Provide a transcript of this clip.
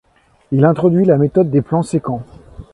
Il introduit la méthode des plans sécants.